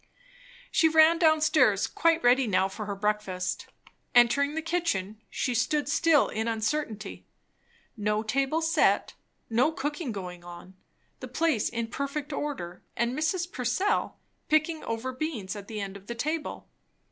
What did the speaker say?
She ran down stairs, quite ready now for her breakfast. Entering the kitchen, she stood still in uncertainty. No table set, no cooking going on, the place in perfect order, and Mrs. Purcell picking over beans at the end of the table.